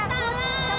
ada dua pros dokter